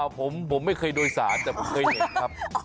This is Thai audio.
ผมไม่เคยโดยสารแต่ผมเคยเห็นครับ